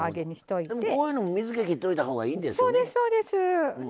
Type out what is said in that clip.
こういうのもお水を切っておいたほうがいいんですよね。